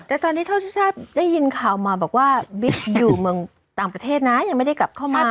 แต่ตอนนี้เท่าที่ทราบได้ยินข่าวมาบอกว่าบิ๊กอยู่เมืองต่างประเทศนะยังไม่ได้กลับเข้ามา